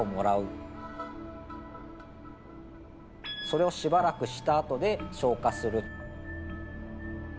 それをしばらくしたあとで消化する。